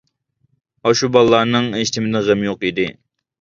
ئاشۇ بالىلارنىڭ ھېچنېمىدىن غېمى يوق ئىدى.